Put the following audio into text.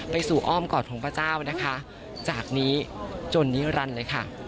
สู่อ้อมกอดของพระเจ้านะคะจากนี้จนนิรันดิ์เลยค่ะ